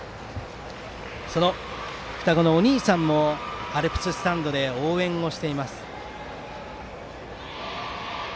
その双子のお兄さんもアルプススタンドで応援をしています。